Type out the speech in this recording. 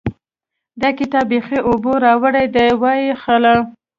دا کتاب بېخي اوبو راوړی دی؛ وايې خله.